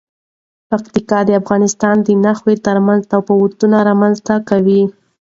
پکتیکا د افغانستان د ناحیو ترمنځ تفاوتونه رامنځ ته کوي.